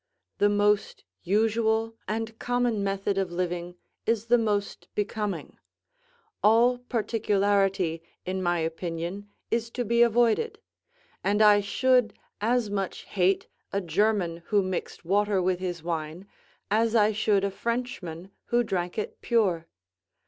The most usual and common method of living is the most becoming; all particularity, in my opinion, is to be avoided; and I should as much hate a German who mixed water with his wine, as I should a Frenchman who drank it pure.